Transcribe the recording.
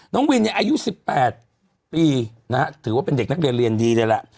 น้องวินเนี่ยอายุ๑๘ปีนะฮะถือว่าเป็นเด็กนักเรียนเรียนดีเลยแหละ